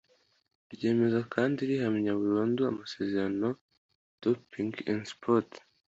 ryemeza kandi rihamya burundu Amasezerano Doping in Sport